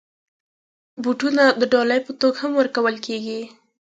بوټونه د ډالۍ په توګه هم ورکول کېږي.